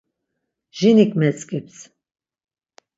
Jinik metzǩips.